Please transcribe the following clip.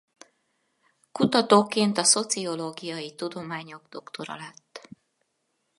Kutatóként a szociológiai tudományok doktora lett.